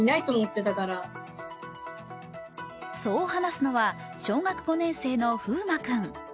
そう話すのは、小学５年生の富眞君。